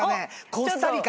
コスタリカ？